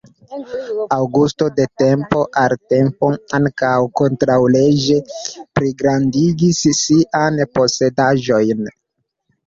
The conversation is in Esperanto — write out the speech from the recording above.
Aŭgusto de tempo al tempo ankaŭ kontraŭleĝe pligrandigis sian posedaĵojn.